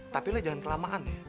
tapi lo jangan kelamahan